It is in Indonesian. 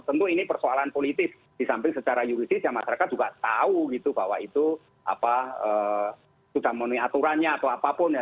tentu ini persoalan politis di samping secara yuridis yang masyarakat juga tahu gitu bahwa itu sudah memenuhi aturannya atau apapun ya